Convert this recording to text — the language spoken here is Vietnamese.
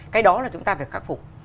cái đó là chúng ta phải khắc phục